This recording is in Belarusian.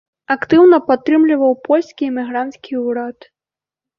Актыўна падтрымліваў польскі эмігранцкі ўрад.